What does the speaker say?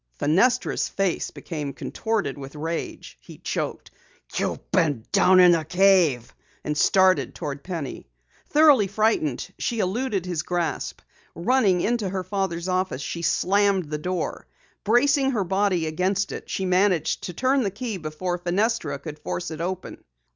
Fenestra's face became contorted with rage. He choked, "You've been down in the cave!" and started toward Penny. Thoroughly frightened, she eluded his grasp. Running into her father's office, she slammed the door. Bracing her body against it, she managed to turn the key before Fenestra could force it open.